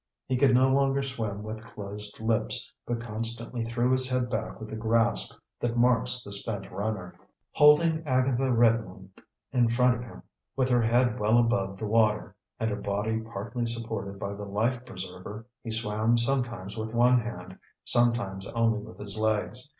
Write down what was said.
He could no longer swim with closed lips, but constantly threw his head back with the gasp that marks the spent runner. Holding Agatha Redmond in front of him, with her head well above the water and her body partly supported by the life preserver, he swam sometimes with one hand, sometimes only with his legs.